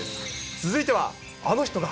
続いては、あの人が。